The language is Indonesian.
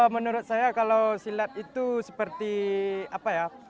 menurut saya kalau silat itu seperti apa ya